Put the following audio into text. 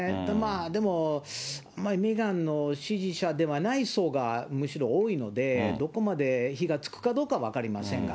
でもあまりメーガンの支持者ではない層がむしろ多いので、どこまで火がつくかどうか分かりませんが。